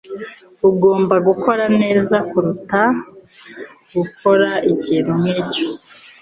Ugomba kumenya neza kuruta gukora ikintu nkicyo.